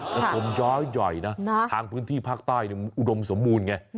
ตัวมันย้อยนะทางพื้นที่ภาคใต้อุดมสมบูรณ์ไง